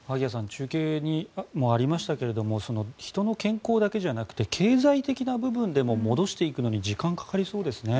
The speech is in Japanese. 中継にもありましたけれども人の健康だけじゃなくて経済的な部分でも戻していくのに時間がかかりそうですね。